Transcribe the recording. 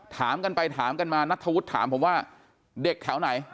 ถามกันไปถามกันมานัทธวุฒิถามผมว่าเด็กแถวไหน